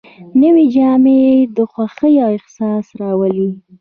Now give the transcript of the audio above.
نوې جامې د خوښۍ احساس راولي